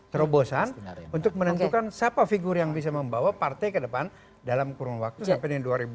terobosan untuk menentukan siapa figur yang bisa membawa partai ke depan dalam kurun waktu sampai dengan dua ribu dua puluh